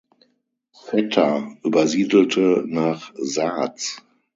Vetter übersiedelte nach Saaz.